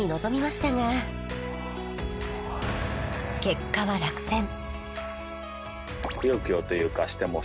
結果は落選